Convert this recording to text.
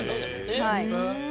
はい。